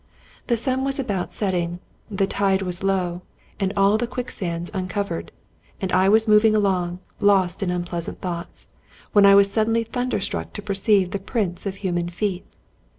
The sun was about setting; the tide was low, and all the quicksands uncov ered; and I was moving along, lost in unpleasant thought, when I was suddenly thunderstruck to perceive the prints of human feet.